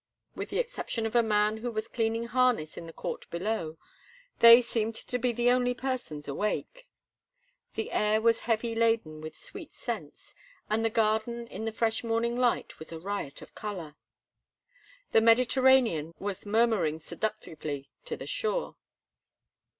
With the exception of a man who was cleaning harness in the court below, they seemed to be the only persons awake. The air was heavy laden with sweet scents, and the garden in the fresh morning light was a riot of color. The Mediterranean was murmuring seductively to the shore.